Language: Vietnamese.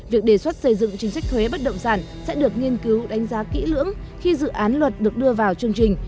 việc đề xuất xây dựng chính sách thuế bất động sản sẽ được nghiên cứu đánh giá kỹ lưỡng khi dự án luật được đưa vào chương trình